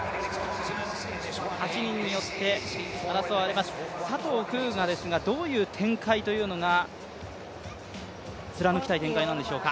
８人によって争われます佐藤風雅ですがどういう展開というのが貫きたい展開なのでしょうか？